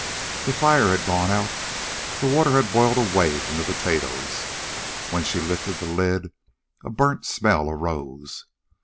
The fire had gone out. The water had boiled away from the potatoes. When she lifted the lid, a burnt smell arose.